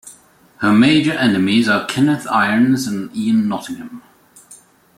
Her major enemies are Kenneth Irons and Ian Nottingham.